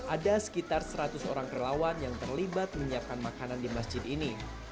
ada sekitar seratus orang relawan yang terlibat menyiapkan makanan di masjid ini